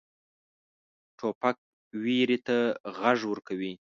توپک ویرې ته غږ ورکوي.